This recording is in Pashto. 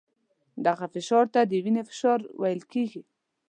دغه فشار ته د وینې فشار ویل کېږي.